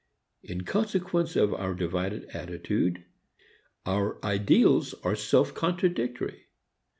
In consequence of our divided attitude, our ideals are self contradictory.